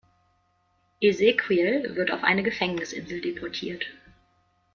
Ezequiel wird auf eine Gefängnisinsel deportiert.